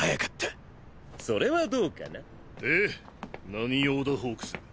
何用だホークス！